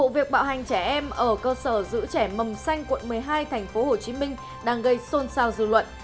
vụ việc bạo hành trẻ em ở cơ sở giữ trẻ mầm xanh quận một mươi hai tp hcm đang gây xôn xao dư luận